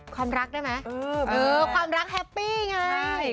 ความรักได้ไหมความรักแฮปปี้ไง